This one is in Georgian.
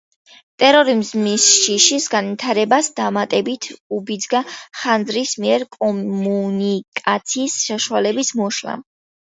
ტერორიზმის შიშის განვითარებას დამატებით უბიძგა ხანძრის მიერ კომუნიკაციის საშუალებების მოშლამ.